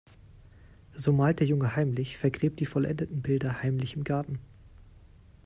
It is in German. So malt der Junge heimlich, vergräbt die vollendeten Bilder heimlich im Garten.